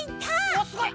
おっすごい！